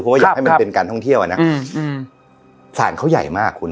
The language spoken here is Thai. เพราะว่าอยากให้มันเป็นการท่องเที่ยวอ่ะนะอืมศาลเขาใหญ่มากคุณ